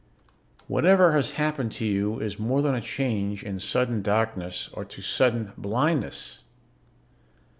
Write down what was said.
Whatever has happened to you is more than a change to sudden darkness or to sudden blindness.